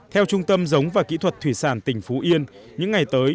theo trung tâm giống và kỹ thuật thủy sản tỉnh phú yên những ngày tới